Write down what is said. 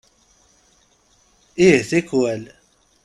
Ih, tikwal.